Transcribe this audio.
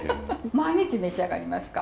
毎日召し上がりますか？